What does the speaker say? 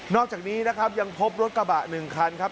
อกจากนี้นะครับยังพบรถกระบะ๑คันครับ